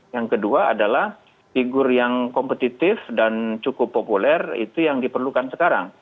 yang kedua adalah figur yang kompetitif dan cukup populer itu yang diperlukan sekarang